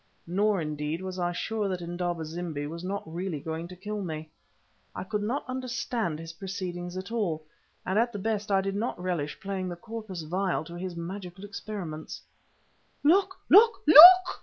Nor, indeed, was I sure that Indaba zimbi was not really going to kill me. I could not understand his proceedings at all, and at the best I did not relish playing the corpus vile to his magical experiments. "_Look! look! look!